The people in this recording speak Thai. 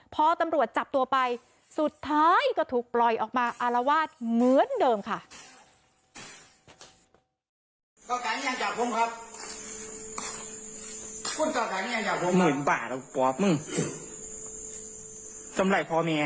พอตำรวจจับตัวไปสุดท้ายก็ถูกปล่อยออกมาอารวาสเหมือนเดิมค่ะ